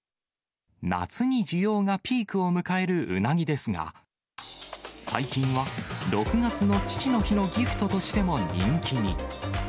夏に需要がピークを迎えるうなぎですが、最近は、６月の父の日のギフトとしても人気に。